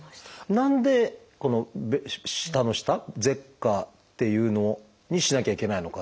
何でこの舌の下舌下っていうのにしなきゃいけないのかっていう。